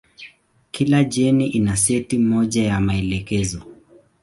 Kila jeni ina seti moja ya maelekezo.